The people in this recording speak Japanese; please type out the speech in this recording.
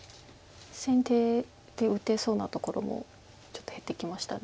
先手で打てそうなところもちょっと減ってきました。